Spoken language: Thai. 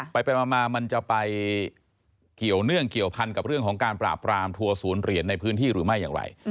ไปมามันจะไปเกี่ยวเนื่องเกี่ยวพันกับเรื่องของการปราบรามทัวร์ศูนย์เหรียญในพื้นที่หรือไม่อย่างไร